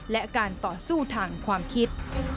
และการต่อสู้ทางความคิด